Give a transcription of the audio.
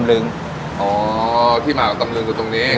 เช่นอาชีพพายเรือขายก๋วยเตี๊ยว